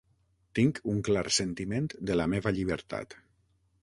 Tinc un clar sentiment de la meva llibertat.